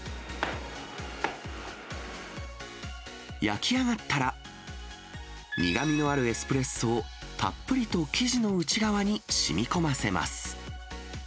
焼き上がったら、苦みのあるエスプレッソをたっぷりと生地の内側にしみこませます。